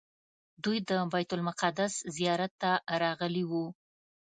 دوی د بیت المقدس زیارت ته راغلي وو.